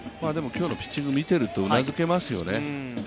今日のピッチング見てるとうなずけますよね。